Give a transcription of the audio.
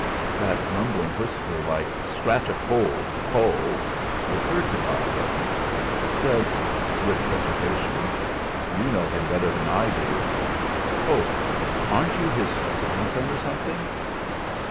That rumbling whisper like "Scratch a Poll, Poll!" recurring to Bob Pillin, he said with reservation: "You know him better than I do." "Oh! Aren't you his grandson, or something?"